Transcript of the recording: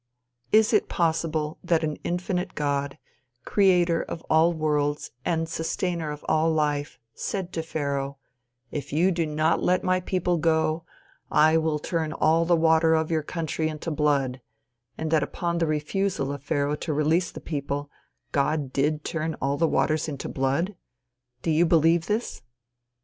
Is it possible that an infinite God, creator of all worlds and sustainer of all life, said to Pharaoh, "If you do not let my people go, I will turn all the water of your country into blood," and that upon the refusal of Pharaoh to release the people, God did turn all the waters into blood? Do you believe this?